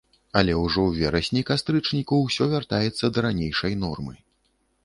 Але ўжо ў верасні-кастрычніку ўсё вяртаецца да ранейшай нормы.